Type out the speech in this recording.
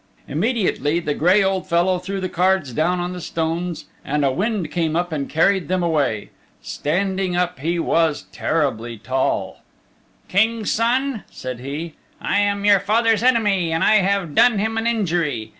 Immediately the gray old fellow threw the cards down on the stones and a wind came up and carried them away. Standing up he was terribly tall. "King's Son," said he, "I am your father's enemy and I have done him an injury.